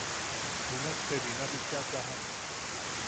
Junak te bina bicha sajak.